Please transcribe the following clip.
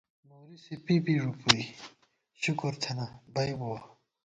نوری تہ سی پی بی ݫُپُوئی ، شکُر تھنہ بئ بُوَہ